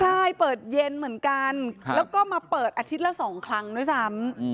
ใช่เปิดเย็นเหมือนกันแล้วก็มาเปิดอาทิตย์ละ๒ครั้งด้วยซ้ำ